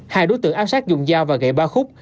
hai đối tượng áp sát dùng dao và gậy ba khúc